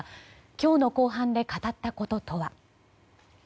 今日の公判で語ったこととは。